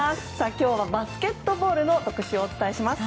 今日はバスケットボールの特集をお伝えします。